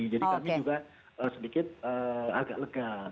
jadi kami juga sedikit agak lega